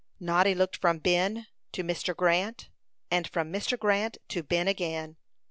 Noddy looked from Ben to Mr. Grant, and from Mr. Grant to Ben again.